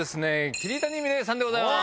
桐谷美玲さんでございます。